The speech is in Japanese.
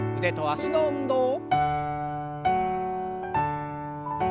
腕と脚の運動。